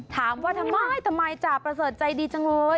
ถามว่าทำไมทำไมจ่าประเสริฐใจดีจังเลย